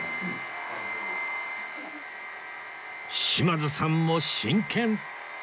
島津さんも真剣